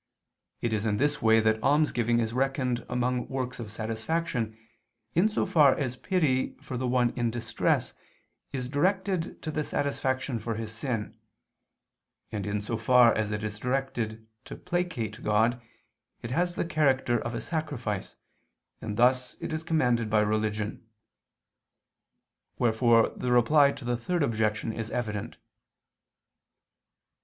It is in this way that almsgiving is reckoned among works of satisfaction in so far as pity for the one in distress is directed to the satisfaction for his sin; and in so far as it is directed to placate God, it has the character of a sacrifice, and thus it is commanded by religion. Wherefore the Reply to the Third Objection is evident.